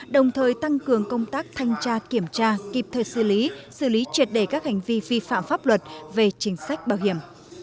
đồng thời tăng cường công tác thanh tra kiểm tra kịp thời xử lý xử lý triệt đề các hành vi vi phạm pháp luật về chính sách bảo hiểm